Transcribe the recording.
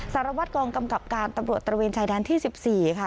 สารวัตรกองกำกับการตำรวจตระเวนชายแดนที่๑๔ค่ะ